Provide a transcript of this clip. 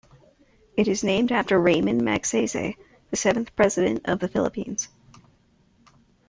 It is named after Ramon Magsaysay, the seventh President of the Philippines.